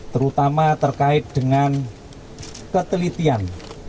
terutama terkait dengan ketelitian